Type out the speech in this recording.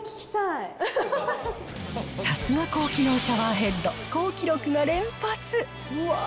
さすが高機能シャワーヘッド、好記録が連発。